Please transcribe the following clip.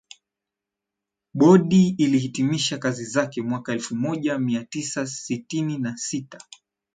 bodi ilihitimisha kazi zake mwaka elfu moja mia tisa sitini na sita